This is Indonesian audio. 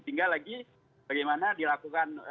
tinggal lagi bagaimana dilakukan